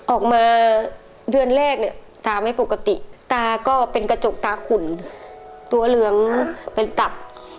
ออกมาเดือนแรกเนี่ยตาไม่ปกติตาก็เป็นกระจกตาขุ่นตัวเหลืองเป็นตับ